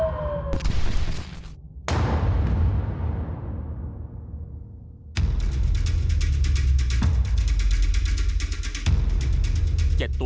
โปรดติดตามตอนต่อไป